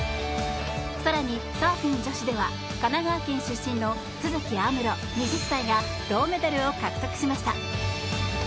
更にサーフィン女子では神奈川県出身の都筑有夢路、２０歳が銅メダルを獲得しました。